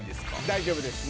大丈夫です。